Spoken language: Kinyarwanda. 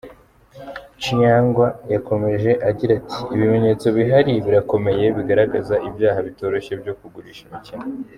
Chiyangwa yakomeje agira ati "Ibimenyetso bihari birakomeye, biragaragaza ibyaha bitoroshye byo kugurisha imikino.